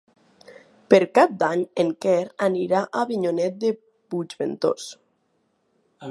Per Cap d'Any en Quer anirà a Avinyonet de Puigventós.